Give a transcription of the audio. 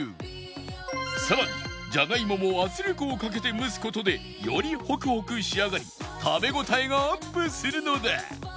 さらにじゃがいもも圧力をかけて蒸す事でよりホクホク仕上がり食べ応えがアップするのだ